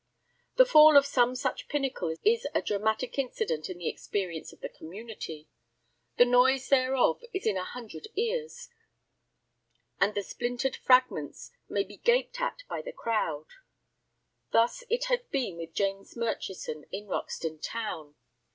The fall of some such pinnacle is a dramatic incident in the experience of the community. The noise thereof is in a hundred ears, and the splintered fragments may be gaped at by the crowd. Thus it had been with James Murchison in Roxton town.